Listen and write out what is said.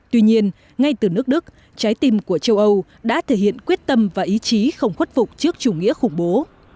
tuy nhiên ngay từ nước đức trái tim của châu âu đã thể hiện quyết tâm và ý chí không khuất phục trước chủ nghĩa khủng bố